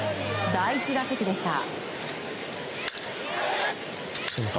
第１打席でした。